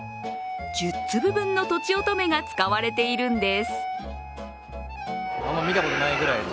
１０粒分のとちおとめが使われているんです。